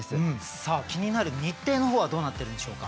さあ気になる日程の方はどうなっているんでしょうか？